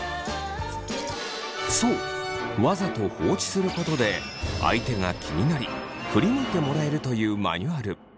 そうわざと放置することで相手が気になり振り向いてもらえるというマニュアル。